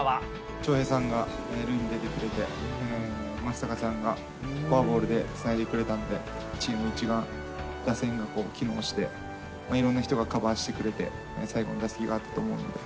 翔平さんが塁に出てくれて、まさたかさんがフォアボールでつないでくれたんで、チーム一丸、打線が機能して、いろんな人がカバーしてくれて、最後の打席があ